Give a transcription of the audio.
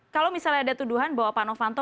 kalau misalnya ada tuduhan bahwa pak novanto